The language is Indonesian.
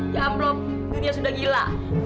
ya ampun dunia sudah gila